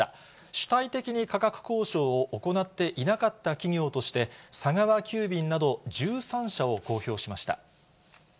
主体的に価格交渉を行っていなかった企業として、佐川急便など１３社を公表しました。